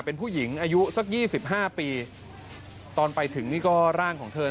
เป็นผู้หญิงอายุสักยี่สิบห้าปีตอนไปถึงนี่ก็ร่างของเธอ